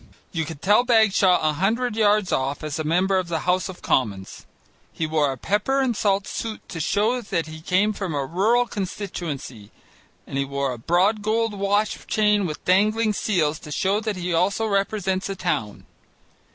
You could tell Bagshaw a hundred yards off as a member of the House of Commons. He wore a pepper and salt suit to show that he came from a rural constituency, and he wore a broad gold watch chain with dangling seals to show that he also represents a town.